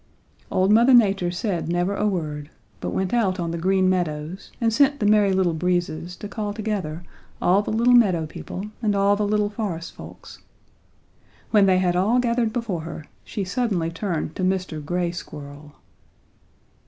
"Old Mother Nature said never a word but went out on the Green Meadows and sent the Merry Little Breezes to call together all the little meadow people and all the little forest folks. When they had all gathered before her she suddenly turned to Mr. Gray Squirrel.